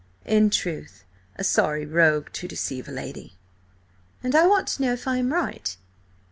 "In truth, a sorry rogue to deceive a lady." "And I want to know if I am right.